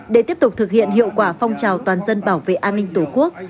để tiếp tục thực hiện hiệu quả phong trào toàn dân bảo vệ an ninh tổ quốc